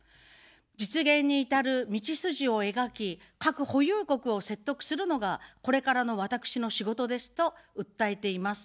実現に至る道筋を描き、核保有国を説得するのがこれからの私の仕事ですと訴えています。